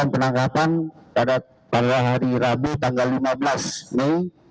penangkapan pada hari rabu tanggal lima belas mei